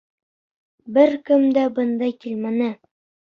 Бер кем дә бында килмәне!